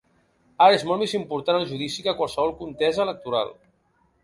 Ara és molt més important el judici que qualsevol contesa electoral.